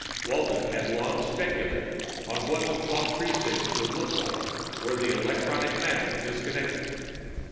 Walton had long speculated on what the club precincts would be like were the electronic magic disconnected.